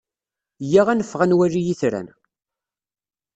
Iyya ad neffeɣ ad wali itran.